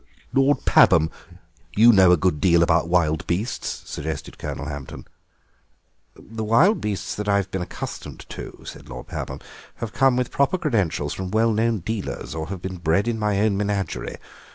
"Lord Pabham, you know a good deal about wild beasts—" suggested Colonel Hampton. "The wild beasts that I have been accustomed to," said Lord Pabham, "have come with proper credentials from well known dealers, or have been bred in my own menagerie.